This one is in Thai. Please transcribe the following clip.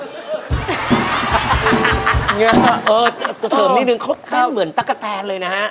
เออเดี๋ยวเสริมนิดนึงเขาเต้นเหมือนตะกะแทนเลยนะฮะ